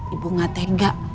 ibu gak tega